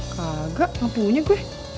kagak nggak punya gue